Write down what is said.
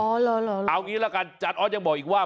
เอาอย่างนี้ล่ะกันจ๊ะอ๊อตยังบอกอีกว่า